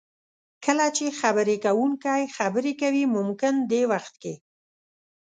کله چې خبرې کوونکی خبرې کوي ممکن دې وخت کې